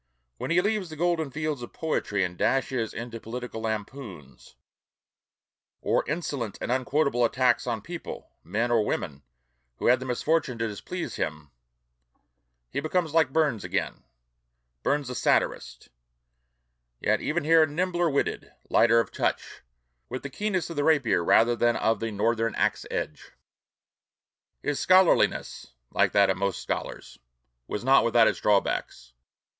When he leaves the golden fields of poetry and dashes into political lampoons, or insolent and unquotable attacks on people (men or women) who had the misfortune to displease him, he becomes like Burns again, Burns the satirist; yet even here nimbler witted, lighter of touch, with the keenness of the rapier rather than of the Northern axe edge. His scholarliness like that of most scholars was not without its drawbacks.